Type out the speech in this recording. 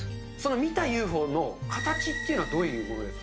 見たＵＦＯの形っていうのはどういうものですか。